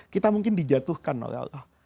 kita mungkin dijatuhkan oleh allah